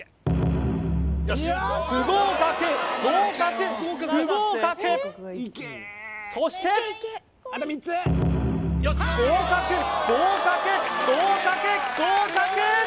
不合格合格不合格そして合格合格合格合格！